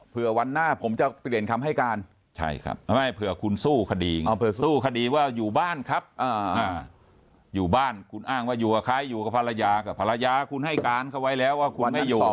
เพื่อวันหน้าผมจะเปลี่ยนคำให้การใช่ครับไม่เผื่อคุณสู้คดีสู้คดีว่าอยู่บ้านครับอยู่บ้านคุณอ้างว่าอยู่กับใครอยู่กับภรรยากับภรรยาคุณให้การเขาไว้แล้วว่าคุณไม่อยู่